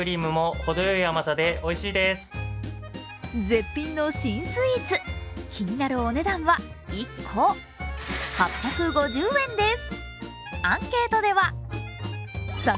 絶品の新スイーツ気になるお値段は１個８５０円です。